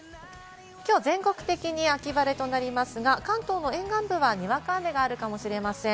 全国的に秋晴れとなりますが、関東の沿岸部はにわか雨があるかもしれません。